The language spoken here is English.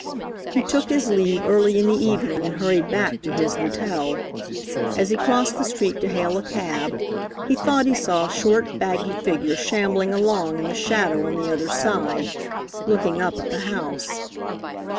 He took his leave early in the evening and hurried back to his hotel. As he crossed the street to hail a cab, he thought he saw a short, baggy figure shambling along in the shadow on the other side, looking up at the house.